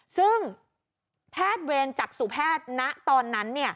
ซึ่งแพทย์เวรจักษุแพทย์ณตอนนั้น